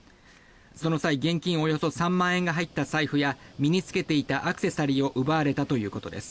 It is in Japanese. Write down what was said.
その際、現金およそ３万円が入った財布や身に着けていたアクセサリーを奪われたということです。